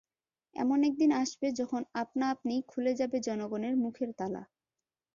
এমন একদিন আসবে যখন আপনা আপনিই খুলে যাবে জনগণের মুখের তালা।